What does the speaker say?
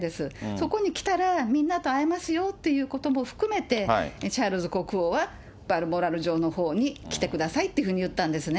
そこに来たら、みんなと会えますよということも含めて、チャールズ国王はバルモラル城のほうに来てくださいっていうふうに言ったんですね。